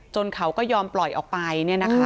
จนเขาก็ยอมปล่อยออกไปเนี่ยนะคะ